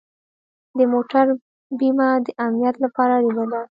د موټر بیمه د امنیت لپاره اړینه ده.